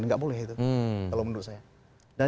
nggak boleh itu kalau menurut saya dan